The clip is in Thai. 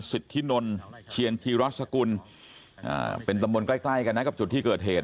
สิทธินนเชียนธีรัสสกุลเป็นตำบลใกล้ใกล้กันนะกับจุดที่เกิดเหตุ